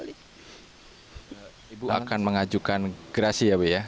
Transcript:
ibu akan mengajukan gerasi ya bu ya